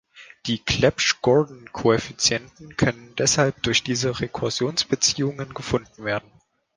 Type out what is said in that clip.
Die Clebsch-Gordan-Koeffizienten können deshalb durch diese Rekursionsbeziehungen gefunden werden.